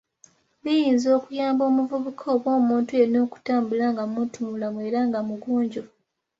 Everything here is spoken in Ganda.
Biyinza okuyamba omuvubuka oba omuntu yenna okutambula nga muntumulamu era nga mugunjufu.